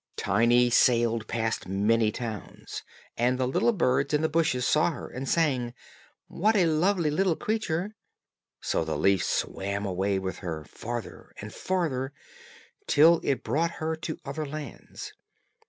Tiny sailed past many towns, and the little birds in the bushes saw her, and sang, "What a lovely little creature;" so the leaf swam away with her farther and farther, till it brought her to other lands.